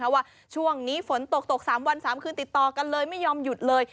ว่าช่วงนี้ฝนตกตก๓วัน๓คืนติดต่อกันเลยไม่ยอมหยุดเลย